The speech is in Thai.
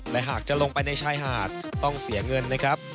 และหากจะลงไปในชายหาดต้องเสียเงินนะครับ